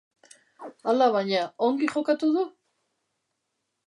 Alabaina, ongi jokatu du?